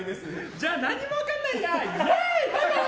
じゃあ何も分かんないや。